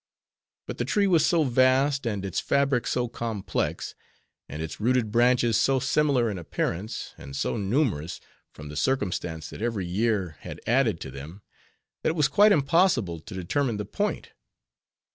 But the tree was so vast, and its fabric so complex; and its rooted branches so similar in appearance; and so numerous, from the circumstance that every year had added to them, that it was quite impossible to determine the point.